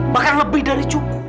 bahkan lebih dari cukup